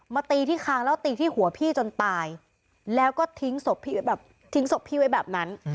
ตีที่คางแล้วตีที่หัวพี่จนตายแล้วก็ทิ้งศพแบบทิ้งศพพี่ไว้แบบนั้น